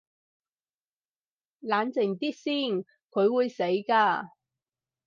冷靜啲先，佢會死㗎